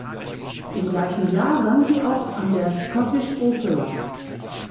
Im gleichen Jahr sang sie auch an der Scottish Opera.